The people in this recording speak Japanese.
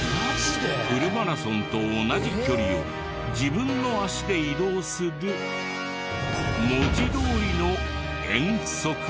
フルマラソンと同じ距離を自分の足で移動する文字どおりの「遠足」だった。